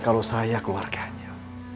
kalau saya keluarganya